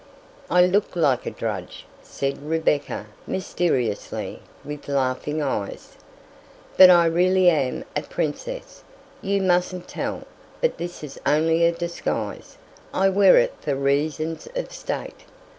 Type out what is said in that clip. "I look like a drudge," said Rebecca mysteriously, with laughing eyes, "but I really am a princess; you mustn't tell, but this is only a disguise; I wear it for reasons of state.